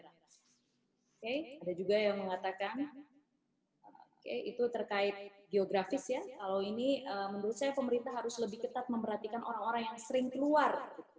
ada juga yang mengatakan itu terkait geografis ya kalau ini menurut saya pemerintah harus lebih ketat memperhatikan orang orang yang sering keluar